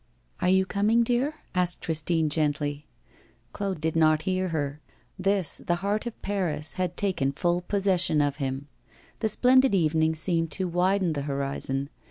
'Are you coming, dear?' asked Christine, gently. Claude did not listen to her; this, the heart of Paris, had taken full possession of him. The splendid evening seemed to widen the horizon.